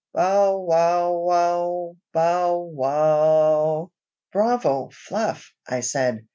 bow wow wow! bow wow! "Bravo! Fluff," I said.